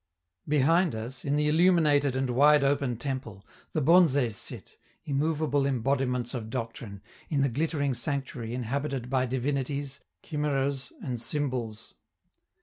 Behind us, in the illuminated and wide open temple, the bonzes sit, immovable embodiments of doctrine, in the glittering sanctuary inhabited by divinities, chimeras, and symbols.